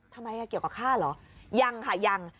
ทำไมเกี่ยวกับข้าหรอยังค่ะยัง